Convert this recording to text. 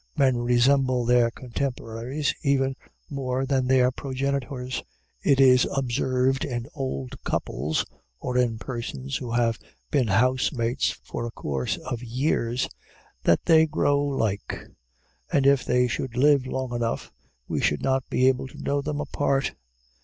Men resemble their contemporaries, even more than their progenitors. It is observed in old couples, or in persons who have been housemates for a course of years, that they grow like; and if they should live long enough, we should not be able to know them apart.